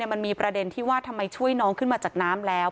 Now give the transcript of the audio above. มันมีประเด็นที่ว่าทำไมช่วยน้องขึ้นมาจากน้ำแล้ว